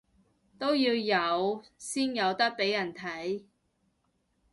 都要有先有得畀人睇